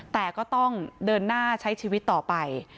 แต่ก็ต้องเดินหน้าใช้ชีวิตต่อไป